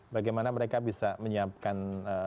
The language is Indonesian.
bagaimana mereka bisa menyiapkan